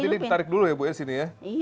ini ditarik dulu ya bu ya sini ya